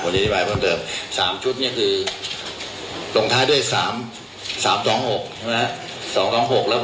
ผมจะอธิบายเพิ่มเติบ๓ชุดเนี่ยคือตรงท่าด้วย๓๒๖ใช่มั้ยครับ